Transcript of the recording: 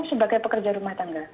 sebagai pekerja rumah tangga